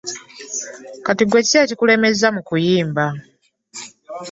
Kati gwe kiki ekikulemeza mu kuyimba.